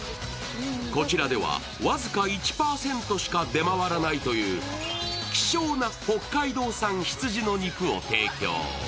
こちらでは僅か１％しか出回らないという希少な北海道産羊の肉を提供。